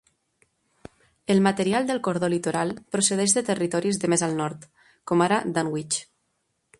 El material del cordó litoral procedeix de territoris de més al nord, com ara Dunwich.